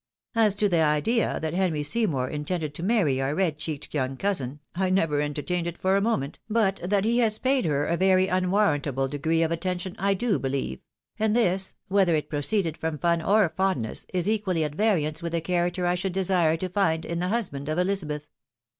As to the idea that Henry Seymour intended to marry our red cheeked young cousin, I never entertained it for a moment, but that he has paid her a very unwarrantable degree of attention I do be lieve J and this, whether it proceeded from fun or fondness, ia 376 THE WIDOW MAHEIED. equally at variance with the character I should desire to find in the husband of Elizabeth."